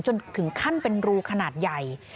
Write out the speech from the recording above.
จนถึงขั้นเป็นรูขนาดใหญ่